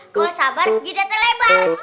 kalau sabar jidatnya lebar